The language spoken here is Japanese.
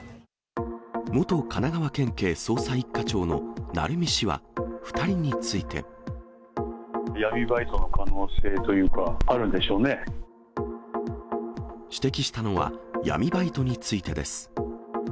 元神奈川県警捜査１課長の鳴海氏は、２人について。闇バイトの可能性というか、指摘したのは、闇バイトについてです。